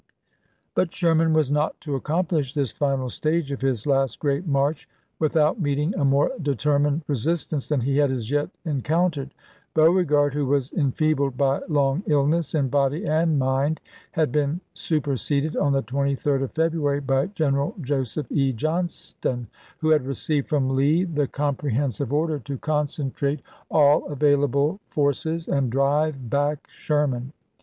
But Sherman was not to accomplish this final stage of his last great march without meeting a more determined resistance than he had as yet en countered. Beauregard, who was enfeebled by long illness, in body and mind, had been super seded on the 23d of February by General Joseph E. Johnston, who had received from Lee the com prehensive order to " concentrate all available forces and drive back Sherman."